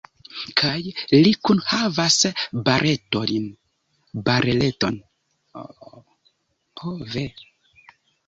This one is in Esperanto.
Kaj li kunhavas bareleton.